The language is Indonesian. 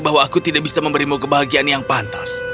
bahwa aku tidak bisa memberimu kebahagiaan yang pantas